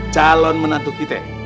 calon menantu kita